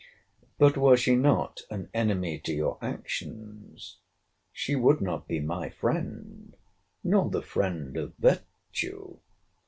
But were she not an enemy to your actions, she would not be my friend, nor the friend of virtue.